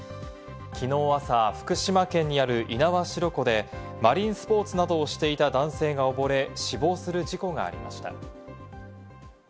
きのう朝、福島県にある猪苗代湖で、マリンスポーツなどをしていた男性が溺れ死亡する事故がありました。